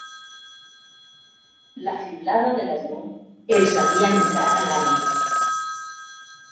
La fiblada de la llum els havia entrat a l'ànima